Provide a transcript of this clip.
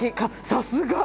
さすが！